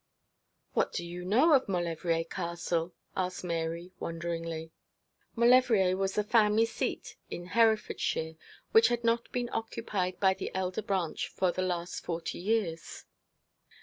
'What do you know of Maulevrier Castle?' asked Mary, wonderingly. Maulevrier was the family seat in Herefordshire, which had not been occupied by the elder branch for the last forty years.